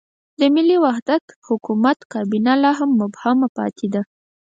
د ملي وحدت حکومت کابینه لا هم مبهمه پاتې ده.